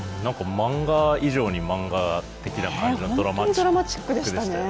漫画以上に漫画的な、ドラマチックでしたよね。